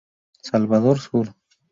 Salvador Sur.